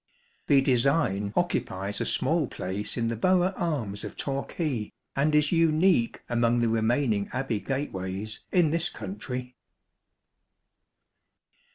The design occupies a small place in the Borough arms of Torquay, and is unique among the remaining Abbey gateways in this country.